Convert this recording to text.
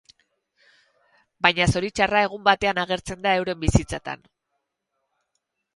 Baina zoritxarra egun batean agertzen da euren bizitzetan.